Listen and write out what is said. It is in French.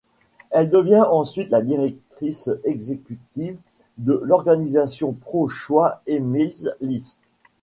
Elle devient ensuite la directrice exécutive de l'organisation pro-choix Emily's List.